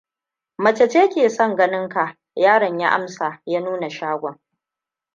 Mace ce ke son ganin ka; yaron ya amsa, ya nuna shagon.